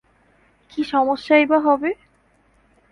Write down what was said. কী সমস্যাই বা হবে?